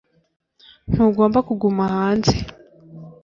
ntugomba kuguma hanze